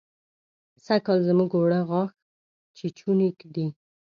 سرکال زموږ اوړه غاښ چيچوني دي.